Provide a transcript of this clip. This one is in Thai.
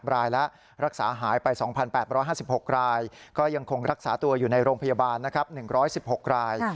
รายแล้วรักษาหายไป๒๘๕๖รายก็ยังคงรักษาตัวอยู่ในโรงพยาบาลนะครับ๑๑๖ราย